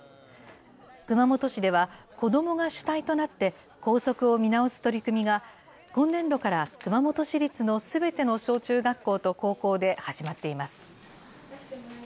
熊本市では、子どもが主体となって、校則を見直す取り組みが、今年度から熊本市立のすべての小中学校と高校で始まっています。